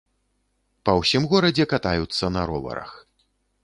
Па ўсім горадзе катаюцца на роварах.